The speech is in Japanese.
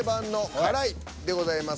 「辛い」でございます。